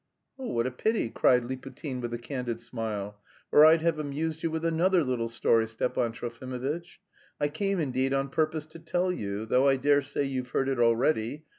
"Oh, what a pity!" cried Liputin with a candid smile, "or I'd have amused you with another little story, Stepan Trofimovitch. I came, indeed, on purpose to tell you, though I dare say you've heard it already.